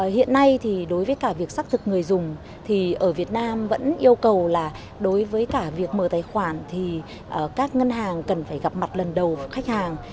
hiện nay thì đối với cả việc xác thực người dùng thì ở việt nam vẫn yêu cầu là đối với cả việc mở tài khoản thì các ngân hàng cần phải gặp mặt lần đầu khách hàng